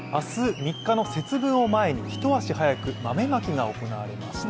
３日の節分を前に一足早く、豆まきが行われました。